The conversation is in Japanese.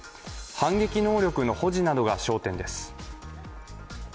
反撃能力の保持などが焦点です。